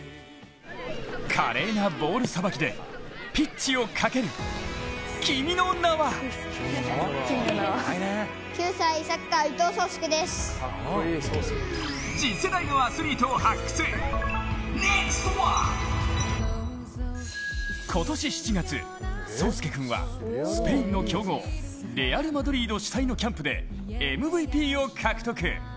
華麗なボールさばきでピッチをかける、君の名は今年７月、颯亮君はスペインの強豪レアル・マドリード主催のキャンプでＭＶＰを獲得。